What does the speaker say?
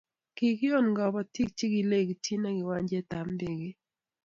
kikion kabotik che kilekityini kiwanjetab ndeget